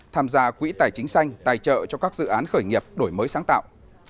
tham gia quỹ tài chính xanh tài trợ cho các dự án khởi nghiệp đổi mới sáng tạo